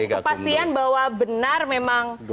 termasuk kepentingan kepastian bahwa benar memang